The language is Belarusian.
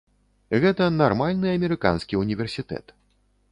Гэта нармальны амерыканскі універсітэт.